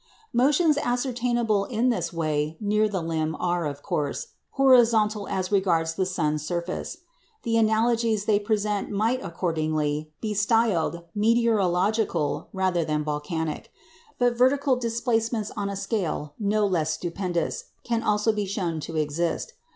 Motions ascertainable in this way near the limb are, of course, horizontal as regards the sun's surface; the analogies they present might, accordingly, be styled meteorological rather than volcanic. But vertical displacements on a scale no less stupendous can also be shown to exist.